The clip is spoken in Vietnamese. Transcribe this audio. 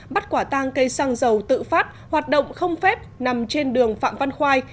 bắt quả tang cây xăng dầu tự phát hoạt động không phép nằm trên đường phạm văn khoai